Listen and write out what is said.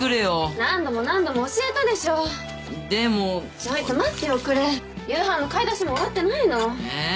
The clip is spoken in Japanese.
何度も何度も教えたでしょでもちょいと待っておくれ夕飯の買い出しも終わってないのえぇ？